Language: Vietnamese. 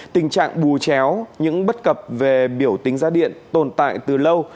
tình trạng bù chéo những bất cập về biểu tính giá điện tồn tại từ lâu